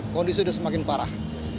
kondisi sudah semakin parah